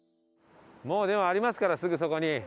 もうでもありますからすぐそこに。